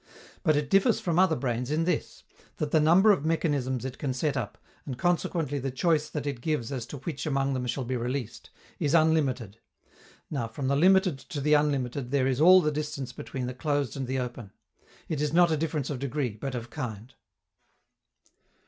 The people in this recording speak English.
But it differs from other brains in this, that the number of mechanisms it can set up, and consequently the choice that it gives as to which among them shall be released, is unlimited. Now, from the limited to the unlimited there is all the distance between the closed and the open. It is not a difference of degree, but of kind.